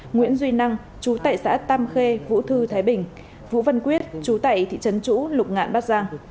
nguyễn duy năng chú tại xã tam khê vũ thư thái bình vũ văn quyết chú tại thị trấn chủ lục ngạn bắc giang